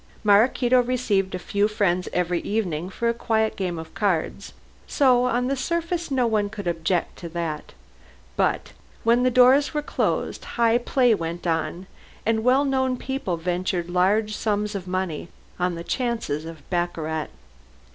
Maraquito received a few friends every evening for a quiet game of cards, so on the surface no one could object to that. But when the doors were closed, high play went on and well known people ventured large sums on the chances of baccarat.